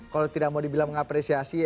kalau tidak mau dibilang mengapresiasi